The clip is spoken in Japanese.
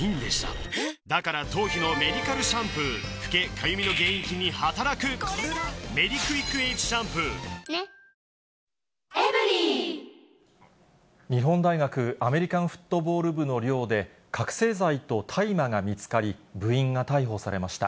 香りに驚くアサヒの「颯」日本大学アメリカンフットボール部の寮で、覚醒剤と大麻が見つかり、部員が逮捕されました。